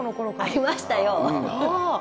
ありましたよ。